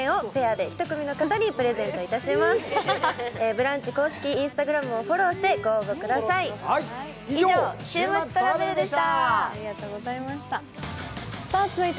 「ブランチ」公式Ｉｎｓｔａｇｒａｍをフォローしてご応募ください。